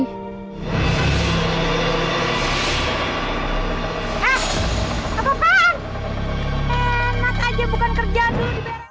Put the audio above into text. hai apaan enak aja bukan kerja dulu